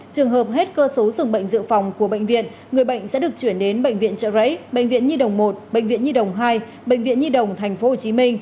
trường hợp hết cơ số dường bệnh dự phòng của bệnh viện người bệnh sẽ được chuyển đến bệnh viện trợ rẫy bệnh viện nhi đồng một bệnh viện nhi đồng hai bệnh viện nhi đồng tp hcm